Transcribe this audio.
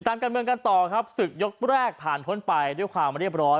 ตามการเมืองกันต่อครับศึกยกแรกผ่านพ้นไปด้วยความเรียบร้อย